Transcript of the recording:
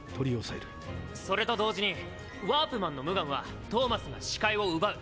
それと同時にワープマンのムガンはトーマスが視界を奪う！